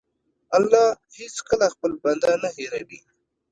الله هېڅکله خپل بنده نه هېروي.